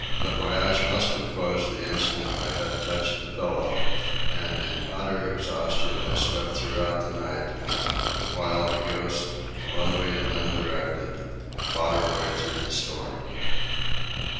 But my eyes must have closed the instant my head touched the pillow, and in utter exhaustion I slept throughout the night, the while the Ghost, lonely and undirected, fought her way through the storm.